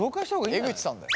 江口さんだよ。